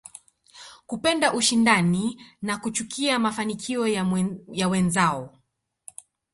Kupenda ushindani na kuchukia mafanikio ya wenzao